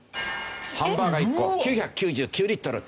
ハンバーガー１個９９９リットル。